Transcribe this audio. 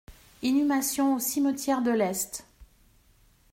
Inhumation au cimetière de l'Est.